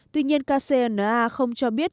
tuy nhiên kcna không cho biết